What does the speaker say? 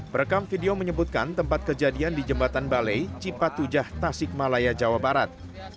perekam video menyebutkan tempat kejadian di jembatan balai cipatujah tasik malaya jawa barat